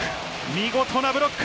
見事なブロック！